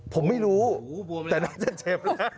ผมไม่รู้แต่น่าจะเจ็บแล้ว